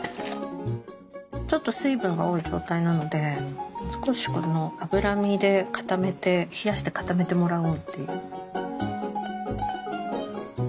ちょっと水分が多い状態なので少しこの脂身で固めて冷やして固めてもらおうっていう。